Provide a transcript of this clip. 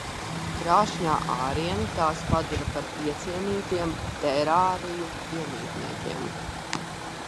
Krāšņā āriene tās padara par iecienītiem terāriju iemītniekiem.